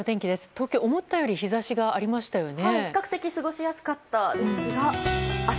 東京、思ったより日差しがありましたよね。